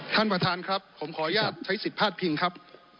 ท่านประธานครับผมขออนุญาตใช้สิทธิ์พลาดพิงครับ